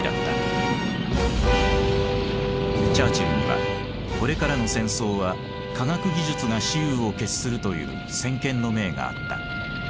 チャーチルにはこれからの戦争は科学技術が雌雄を決するという先見の明があった。